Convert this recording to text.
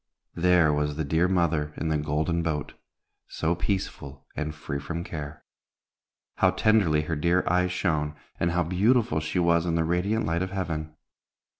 there was the dear mother in the Golden Boat, so peaceful and free from care. How tenderly her dear eyes shone, and how beautiful she was in the radiant light of heaven!